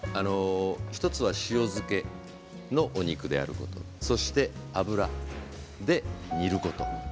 １つは塩漬けのお肉であることそして油で煮ること。